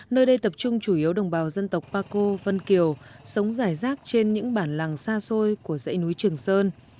nơi đây tập trung chủ yếu đồng bào dân tộc paco vân kiều sống rải rác trên những bản làng xa xôi của dãy núi trường sơn